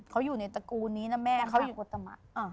เขาอยู่ในตระกูลนี้นะแม่เขาอยู่อุตมะ